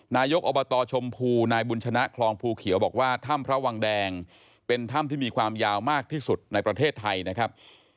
นายกอบตชมพูนายบุญชนะคลองภูเขียวบอกว่าถ้ำพระวังแดงเป็นถ้ำที่มีความยาวมากที่สุดในประเทศไทยนะครับ